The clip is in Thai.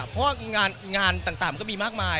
เพราะว่างานต่างมันก็มีมากมาย